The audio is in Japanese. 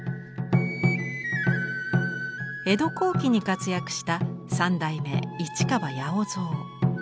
江戸後期に活躍した三代目市川八百蔵。